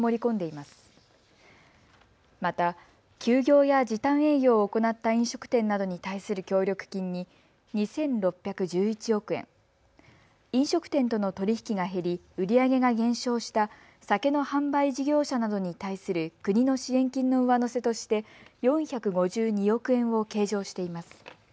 また休業や時短営業を行った飲食店などに対する協力金に２６１１億円、飲食店との取り引きが減り売り上げが減少した酒の販売事業者などに対する国の支援金の上乗せとして４５２億円を計上しています。